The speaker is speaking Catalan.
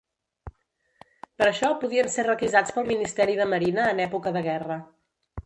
Per això podien ser requisats pel Ministeri de Marina en època de guerra.